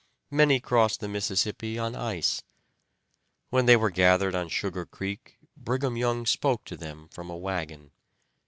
Many crossed the Mississippi on ice. When they were gathered on Sugar Creek Brigham Young spoke to them from a wagon.